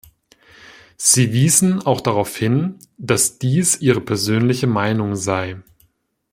Sie wiesen auch darauf hin, dass dies Ihre persönliche Meinung sei.